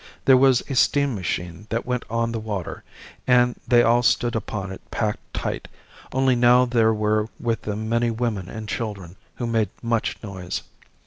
There was a steam machine that went on the water, and they all stood upon it packed tight, only now there were with them many women and children who made much noise.